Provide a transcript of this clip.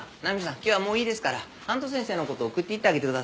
今日はもういいですから判斗先生のこと送っていってあげてください」